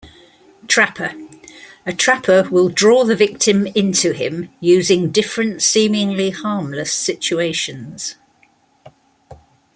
Trapper: a trapper will draw the victim into him using different seemingly harmless situations.